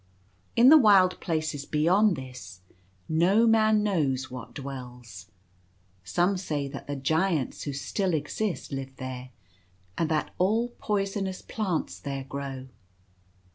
In the wild places beyond this no man knows what dwells. Some say that the Giants who still exist, live there, and that all poisonous plants there grow.